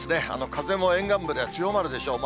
風も沿岸部では強まるでしょう。